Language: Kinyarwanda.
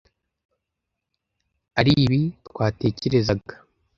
aribi twatekerezaga.